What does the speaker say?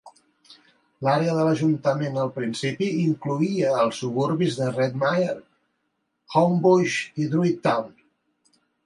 L'àrea de l'ajuntament al principi incloïa els suburbis de Redmire, Homebush i Druitt Town.